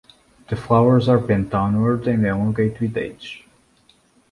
The flowers are bent downward, and elongate with age.